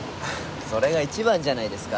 それが一番じゃないですか。